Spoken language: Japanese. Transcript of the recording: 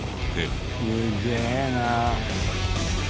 すげえな。